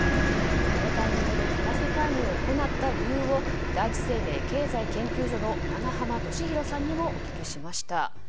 このタイミングで為替介入を行った理由を第一生命経済研究所の永濱利廣さんにもお聞きしました。